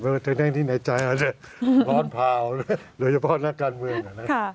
ไม่ว่าจะแน่นที่ไหนใจอาจจะร้อนพราวหรืออย่าเพราะหน้าการเมือง